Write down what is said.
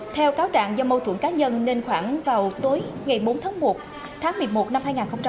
theo cáo trạng do mâu thuẫn cá nhân nên khoảng vào tối ngày bốn tháng một tháng một mươi một năm hai nghìn hai mươi